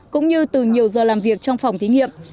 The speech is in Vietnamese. cũng như từ nhiều giờ làm việc trong phòng thí nghiệm